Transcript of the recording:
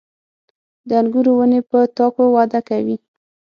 • د انګورو ونې په تاکو وده کوي.